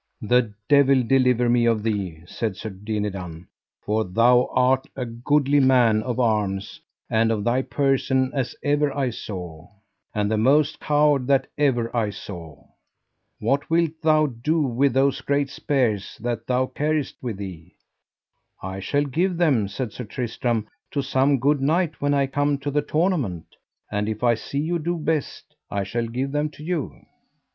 The devil deliver me of thee, said Sir Dinadan, for thou art as goodly a man of arms and of thy person as ever I saw, and the most coward that ever I saw. What wilt thou do with those great spears that thou carriest with thee? I shall give them, said Sir Tristram, to some good knight when I come to the tournament; and if I see you do best, I shall give them to you.